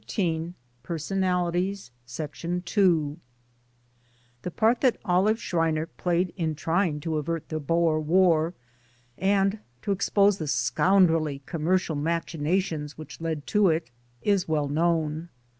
XIII PERSONALITIES II THE part that Olive Schreiner played in trying to avert the Boer War, and to expose the scoundrelly commercial machinations which led to it, is well known.